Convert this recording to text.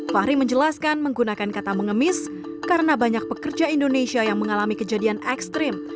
fahri menjelaskan menggunakan kata mengemis karena banyak pekerja indonesia yang mengalami kejadian ekstrim